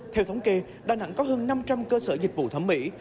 theo thống kê đà nẵng có hơn năm trăm linh cơ sở dịch vụ thẩm mỹ